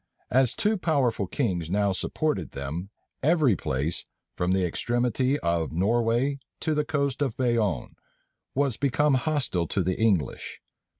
As two powerful kings now supported them, every place, from the extremity of Norway to the coasts of Bayonne, was become hostile to the English.